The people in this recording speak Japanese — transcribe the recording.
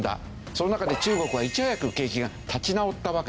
その中で中国はいち早く景気が立ち直ったわけですよ。